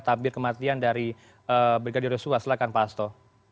tabir kematian dari brigadir riusuwa silahkan pak asto